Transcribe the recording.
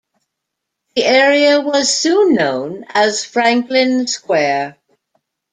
The area was soon known as Franklin Square.